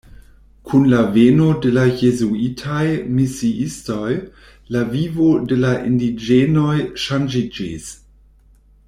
Kun la veno de la jezuitaj misiistoj la vivo de la indiĝenoj ŝanĝiĝis.